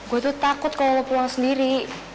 gue tuh takut kalau lo pulang sendiri